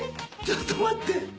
ちょっと待って。